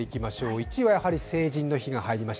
１位はやはり成人の日が入り増し。